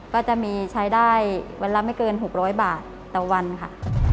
ก็จะมีใช้ได้วันละไม่เกิน๖๐๐บาทต่อวันค่ะ